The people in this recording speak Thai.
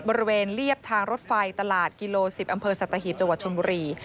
บริเวณเรียบทางรถไฟตลาดกิโล๑๐อำเภอสัตหีบจังหวัดชนบุรี